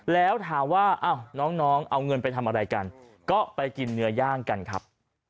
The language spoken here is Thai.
แล้วถามว่าน้องเอาเงินไปทำอะไรกันก็ไปกินเนื้อย่างกันครับ